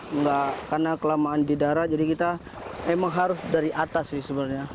enggak karena kelamaan di darat jadi kita emang harus dari atas sih sebenarnya